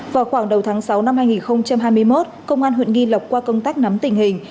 vào khoảng đầu tháng sáu năm hai nghìn hai mươi một công an huyện nghi lộc qua công tác nắm tình hình